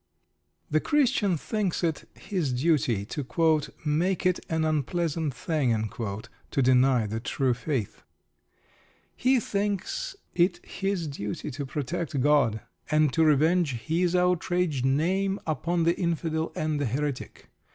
The Christian thinks it his duty to "make it an unpleasant thing" to deny the "true faith." He thinks it his duty to protect God, and to revenge His outraged name upon the Infidel and the Heretic.